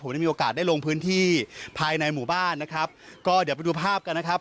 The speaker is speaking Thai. ได้มีโอกาสได้ลงพื้นที่ภายในหมู่บ้านนะครับก็เดี๋ยวไปดูภาพกันนะครับ